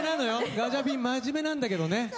ガチャピン真面目なんだけどね